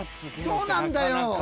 そうなんだよ。